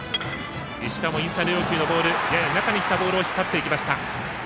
石川もインサイド要求のボールやや中にきたボールを引っ張っていきいました。